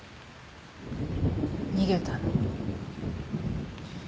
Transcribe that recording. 逃げたの。